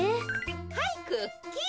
はいクッキー。